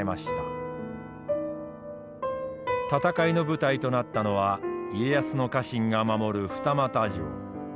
戦いの舞台となったのは家康の家臣が守る二俣城。